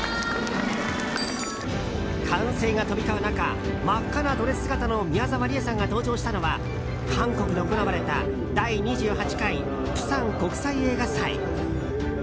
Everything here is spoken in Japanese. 歓声が飛び交う中真っ赤なドレス姿の宮沢りえさんが登場したのは韓国で行われた第２８回釜山国際映画祭。